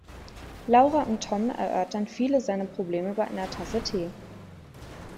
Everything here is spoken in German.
Laura und Tom erörtern viele seiner Probleme bei einer Tasse Tee.